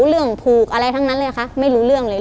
เรื่องผูกอะไรทั้งนั้นเลยค่ะไม่รู้เรื่องเลย